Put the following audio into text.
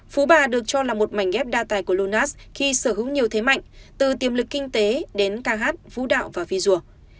phú bà được cho là một mảnh ghép đa tài của lunas khi sở hữu nhiều thế mạnh từ tiềm lực kinh tế đến ca hát vũ đạo và visual